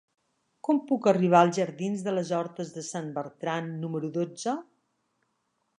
Com puc arribar als jardins de les Hortes de Sant Bertran número dotze?